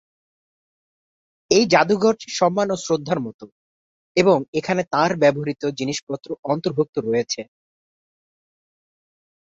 এই যাদুঘরটি সম্মান ও শ্রদ্ধার মতো এবং এখানে তাঁর ব্যবহৃত জিনিসপত্র অন্তর্ভুক্ত রয়েছে।